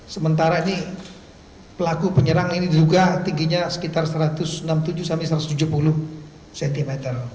sementara ini pelaku penyerang ini diduga tingginya sekitar satu ratus enam puluh tujuh sampai satu ratus tujuh puluh cm